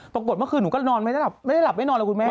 ปรากฏเมื่อคืนหนูก็นอนไม่ได้หลับไม่ได้หลับไม่นอนเลยคุณแม่